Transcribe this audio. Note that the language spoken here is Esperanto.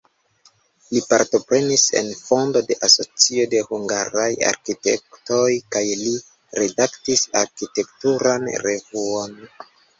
Li partoprenis en fondo de asocio de hungaraj arkitektoj kaj li redaktis arkitekturan revuon.